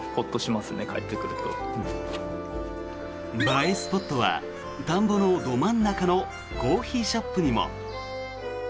映えスポットは田んぼのど真ん中のコーヒーショップにも。